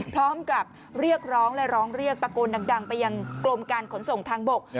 พร้อมกับเรียกร้องและร้องเรียกตะโกนดังไปยังกรมการขนส่งทางบก